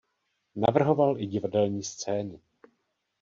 Navrhoval i divadelní scény.